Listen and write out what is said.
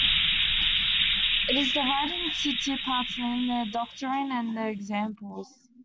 It is divided into two parts named "The Doctrine" and "The Examples".